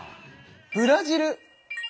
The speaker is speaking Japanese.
ブラジル。